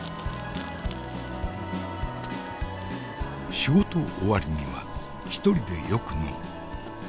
仕事終わりには一人でよく呑む。